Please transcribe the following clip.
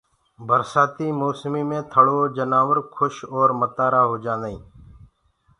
برسآتي موسمي مي ٿݪو جنآور کُش اور تيآ هوجآدآئين